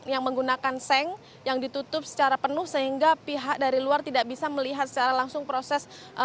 yang menggunakan seng yang ditutup secara penuh sehingga pihak dari luar tidak bisa melihat secara langsung proses